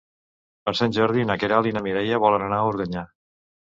Per Sant Jordi na Queralt i na Mireia volen anar a Organyà.